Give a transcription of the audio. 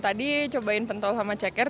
tadi cobain pentol sama ceker